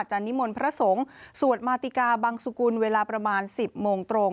นิมนต์พระสงฆ์สวดมาติกาบังสุกุลเวลาประมาณ๑๐โมงตรง